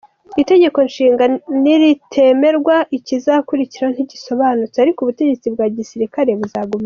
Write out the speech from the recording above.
Itegekonshinga niritemerwa, ikizakurikiraho ntigisobanutse, ariko ubutegetsi bwa gisirikare buzagumaho.